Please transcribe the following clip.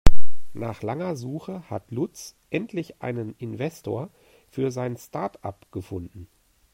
Nach langer Suche hat Lutz endlich einen Investor für sein Startup gefunden.